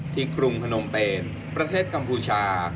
ที่กลุ่มขนมเปนประเทศกรรมภูชา